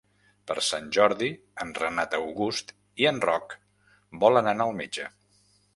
Per Sant Jordi en Renat August i en Roc volen anar al metge.